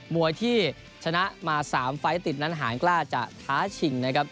มวยที่ชนะมา๓ไฟล์ติดนั้นหางกล้าจะท้าชิงนะครับ